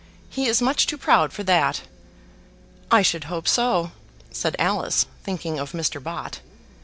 He is much too proud for that." "I should hope so," said Alice, thinking of Mr. Bott.